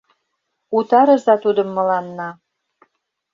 Утарыза тудым мыланна.